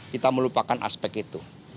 kita melupakan aspek itu